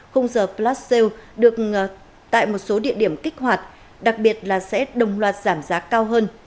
khung giờ plat sale được tại một số địa điểm kích hoạt đặc biệt là sẽ đồng loạt giảm giá cao hơn